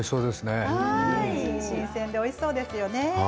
新鮮でおいしそうですよね。